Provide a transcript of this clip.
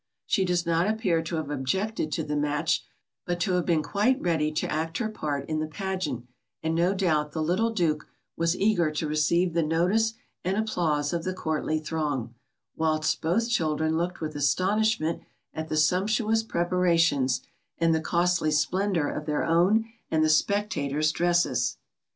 She does not appear to have objected to the match, but to have been quite ready to act her part in the pageant, and no doubt the little Duke was eager to receive the notice and applause of the courtly throng, whilst both children looked with astonishment at the sumptuous preparations, and the costly splendor of their own and the spectators' dresses.